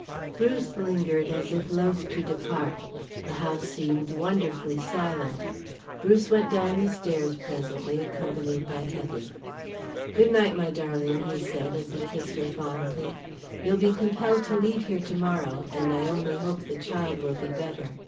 Bruce lingered as if loth to depart. The house seemed wonderfully silent. Bruce went down the stairs presently, accompanied by Hetty. "Good night, my darling," he said, as he kissed her fondly. "You'll be compelled to leave here tomorrow, and I only hope the child will be better.